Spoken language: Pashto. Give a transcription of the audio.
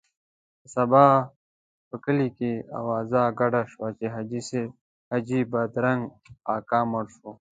په سبا په کلي کې اوازه ګډه شوه چې حاجي بادرنګ اکا مړ شو.